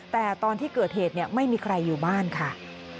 แต่ตอนที่เกิดเหตุไม่มีใครอยู่บ้านค่ะ